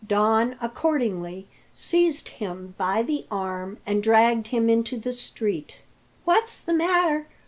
Don accordingly seized him by the arm and dragged him into the street. "What's the matter?